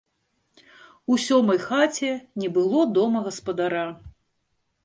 У сёмай хаце не было дома гаспадара.